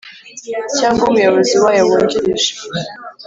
Cyangwa umuyobozi wayo wungirije